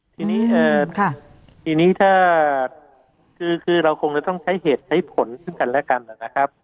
ทีนี้เราคงจะต้องใช้เหตุใช้ผลขึ้นกันและกัน